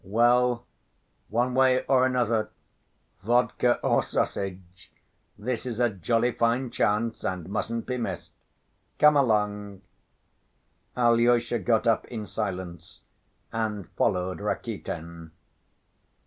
"Well, one way or another, vodka or sausage, this is a jolly fine chance and mustn't be missed. Come along." Alyosha got up in silence and followed Rakitin.